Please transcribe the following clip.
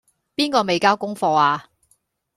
邊個未交功課呀?